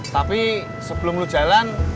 tapi sebelum lo jalan